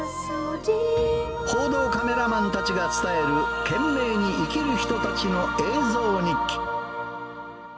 報道カメラマンたちが伝える、懸命に生きる人たちの映像日記。